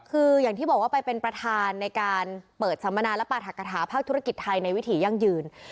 คืออย่างที่บอกว่าไปเป็นประธานในการเปิดสัมมนาและปราธกฐาภาคธุรกิจไทยในวิถียั่งยืน